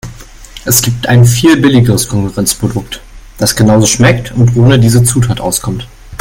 Es gibt ein viel billigeres Konkurrenzprodukt, das genauso schmeckt und ohne diese Zutat auskommt.